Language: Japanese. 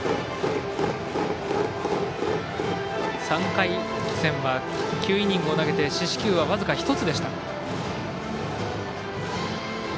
３回戦は９イニングを投げて四死球はわずか１つでした。